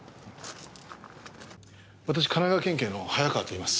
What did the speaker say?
私神奈川県警の早川といいます。